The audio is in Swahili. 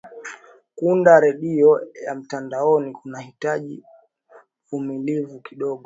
kuunda redio ya mtandaoni kunahitaji vumilivu kidogo